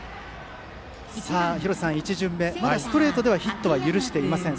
廣瀬さん、１巡目まずストレートでヒットは許していません。